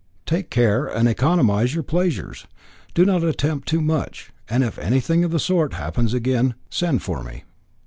Take care and economise your pleasures. Do not attempt too much; and if anything of the sort happens again, send for me."